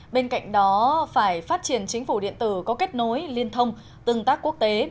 bên cạnh đó phải phát triển chính phủ điện tử có kết nối liên thông tương tác quốc tế